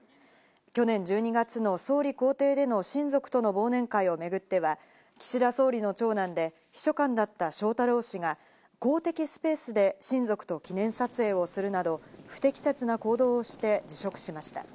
去年１２月の総理公邸での親族との忘年会を巡っては、岸田総理の長男で秘書官だった翔太郎氏が、公的スペースで親族と記念撮影をするなど、不適切な行動をして辞職しました。